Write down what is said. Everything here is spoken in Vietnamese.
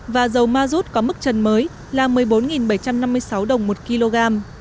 và dầu ma rút có mức trần mới là một mươi bốn bảy trăm năm mươi sáu đồng một kg